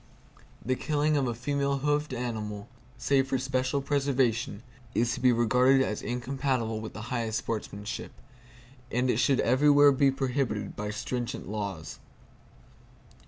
The killing of a female hoofed animal, save for special preservation, is to be regarded as incompatible with the highest sportsmanship; and it should everywhere be prohibited by stringent laws.